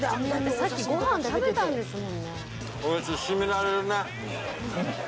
さっきご飯食べたんですもんね。